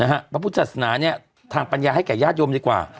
นะฮะพระพุทธศนาเนี้ยทางปัญญาให้แก่ญาติยมดีกว่า